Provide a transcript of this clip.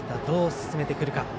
どう進めてくるか。